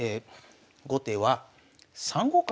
後手は３五角成と。